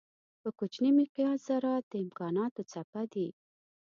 په کوچني مقیاس ذرات د امکانانو څپه دي.